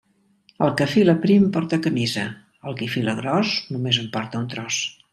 El qui fila prim porta camisa; el qui fila gros només en porta un tros.